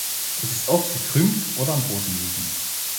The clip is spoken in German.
Es ist oft gekrümmt oder am Boden liegend.